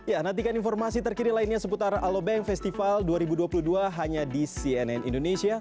ya nantikan informasi terkini lainnya seputar alobank festival dua ribu dua puluh dua hanya di cnn indonesia